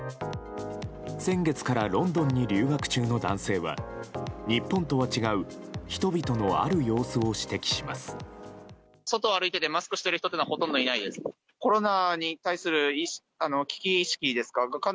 先月からロンドンに留学中の男性は日本とは違う人々のある様子を指摘します。